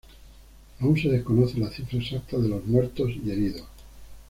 Aún se desconoce la cifra exacta de los muertos y heridos.